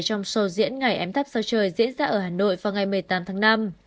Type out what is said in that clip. trong show diễn ngày ấm thắp sao trời diễn ra ở hà nội vào ngày một mươi tám tháng năm